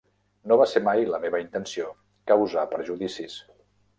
No va ser mai la meva intenció causar perjudicis.